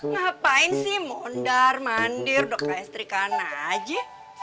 ngapain sih mondar mandir doka istri kaan aja